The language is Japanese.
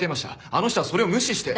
あの人はそれを無視して。